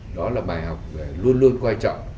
đó là bài học về luôn luôn quan trọng